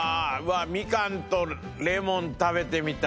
みかんとレモン食べてみたい。